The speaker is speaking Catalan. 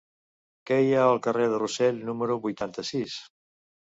Què hi ha al carrer de Rossell número vuitanta-sis?